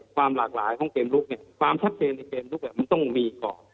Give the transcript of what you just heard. ความหลากหลายของเกมลุกเนี่ยความชัดเจนในเกมลุกมันต้องมีก่อน